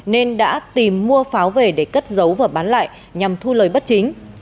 nên đã tìm mua pháo về để cất giấu và bán lại nhằm thu lời bất chính